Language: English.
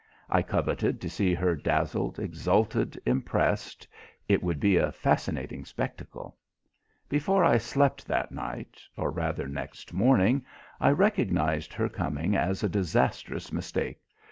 I coveted to see her dazzled, exalted, impressed it would be a fascinating spectacle. Before I slept that night, or rather next morning, I recognized her coming as a disastrous mistake.